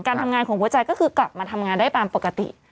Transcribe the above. ทำงานของหัวใจก็คือกลับมาทำงานได้ตามปกติ